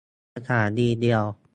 สถานีเดียว